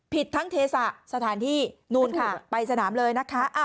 ทั้งเทศะสถานที่นู่นค่ะไปสนามเลยนะคะ